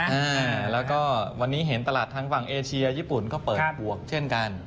อ่าแล้วก็วันนี้เห็นตลาดทางฝั่งเอเชียญี่ปุ่นก็เปิดบวกเช่นกัน